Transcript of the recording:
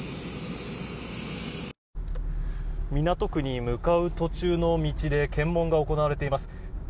港区に向かう道の途中で検問が行われています。